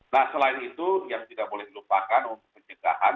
nah selain itu yang tidak boleh dilupakan untuk pencegahan